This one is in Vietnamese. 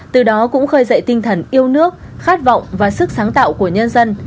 từ đó cũng khơi dậy tinh thần yêu nước khát vọng và sức sáng tạo của nhân dân